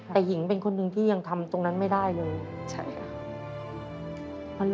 แต่หญิงเป็นคนหนึ่งที่ยังทำตรงนั้นไม่ได้เลยใช่ค่ะ